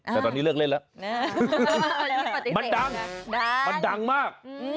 แต่ตอนนี้เลิกเล่นแล้วมันดังมันดังมาก